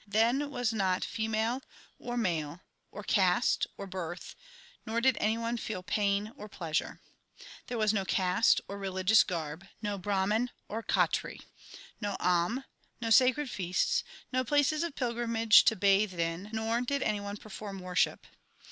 Then was not female, or male, or caste, or birth ; nor did any one feel pain or pleasure. There was no caste or religious garb, no Brahman or Khatri. No horn, no sacred feasts, no places of pilgrimage to bathe in, nor did any one perform worship.